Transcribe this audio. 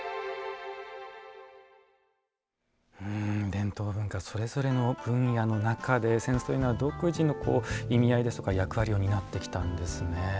伝統文化それぞれの分野の中で扇子というのは独自の意味合いですとか役割を担ってきたんですね。